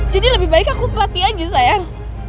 jadi lebih baik aku pelati aja sayang